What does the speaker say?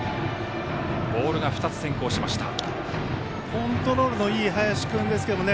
コントロールのいい林君ですけどね